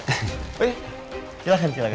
oh iya silahkan silahkan